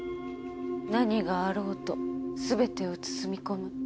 何があろうとすべてを包み込む。